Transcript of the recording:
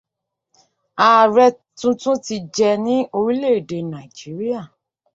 Ààrẹ tuntun ti jẹ ní Orílẹ́èdè Nàíjíríà.